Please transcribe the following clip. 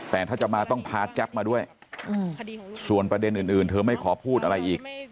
แต่ถ้าจะมาต้องพาแจ๊บมาด้วยส่วนประเด็นอื่นเธอไม่ขอพูดอะไรอีก